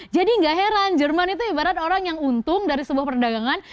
jadi gak heran jerman itu ibarat orang yang untung dari sebuah perdagangan